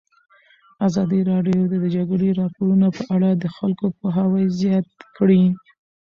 ازادي راډیو د د جګړې راپورونه په اړه د خلکو پوهاوی زیات کړی.